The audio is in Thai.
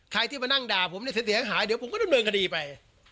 ใครที่มานั่งด่าผมเนี่ยเสียหายเดี๋ยวผมก็ดำเนินคดีไป